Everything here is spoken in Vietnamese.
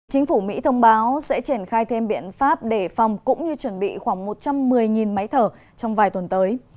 chính phủ mỹ thông báo sẽ triển khai thêm biện pháp để phòng cũng như chuẩn bị khoảng một trăm một mươi máy thở trong vài tuần tới